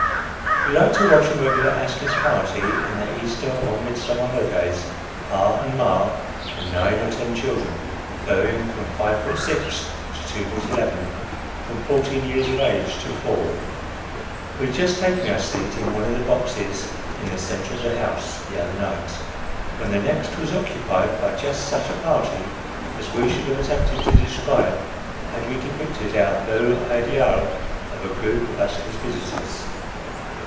We like to watch a regular Astley's party in the Easter or Mid summer holidays pa and ma, and nine or ten children, varying from five foot six to two foot eleven : from fourteen years of age to four. We had just taken our seat in one of the boxes, in the centre of the house, the other night, when the next was occupied by just such a party as we should have attempted to describe, had we depicted our beau ideal of a group of Astley's visitors.